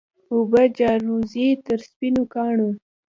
اوبه جاروزي تر سپینو کاڼو